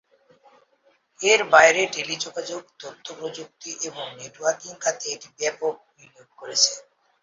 এর বাইরে টেলিযোগাযোগ, তথ্য প্রযুক্তি এবং নেটওয়ার্কিং খাতে এটি ব্যাপক বিনিয়োগ করেছে।